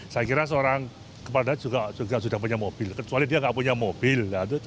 saya kira seorang kepala juga sudah punya mobil kecuali dia nggak punya mobil